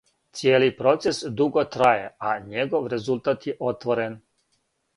Цијели процес дуго траје, а његов резултат је отворен.